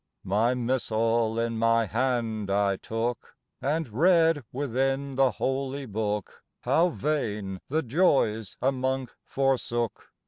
My missal in my hand I took, And read within the Holy Book How vain the joys a monk forsook.